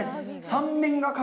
３面が鏡。